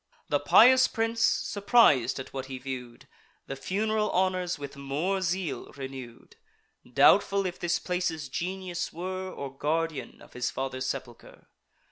The pious prince, surpris'd at what he view'd, The fun'ral honours with more zeal renew'd, Doubtful if this place's genius were, Or guardian of his father's sepulcher.